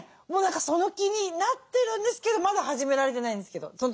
もう何かその気になってるんですけどまだ始められてないんですけど。